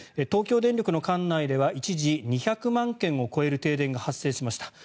東京電力の管内では一時２００万軒を超える停電が発生しました。